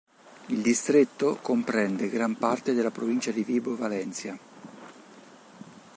Il distretto comprende gran parte della provincia di Vibo Valentia.